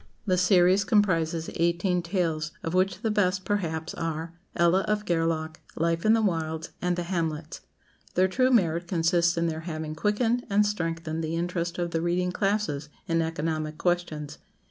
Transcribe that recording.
The series comprises eighteen tales, of which the best, perhaps, are "Ella of Gareloch," "Life in the Wilds," and "The Hamlets." Their true merit consists in their having quickened and strengthened the interest of the reading classes in economic questions.